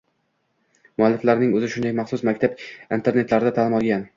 Mualliflarning oʻzi shunday maxsus maktab-internatlarda taʼlim olgan